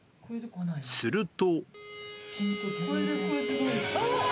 すると。